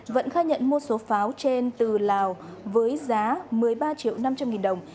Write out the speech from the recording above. vận khai nhận một số pháo trên từ lào với giá một mươi ba triệu năm trăm linh nghìn đồng